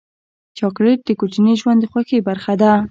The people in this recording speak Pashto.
چاکلېټ د کوچني ژوند د خوښۍ برخه ده.